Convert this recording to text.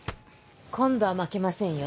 今度は負けませんよ。